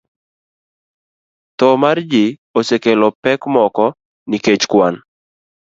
Tho mar ji osekelo pek moko nikech kwan